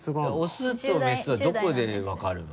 オスとメスはどこで分かるの？